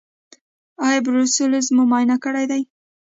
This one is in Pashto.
ایا بروسلوز مو معاینه کړی دی؟